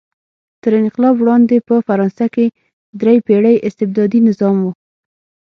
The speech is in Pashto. تر انقلاب وړاندې په فرانسه کې درې پېړۍ استبدادي نظام و.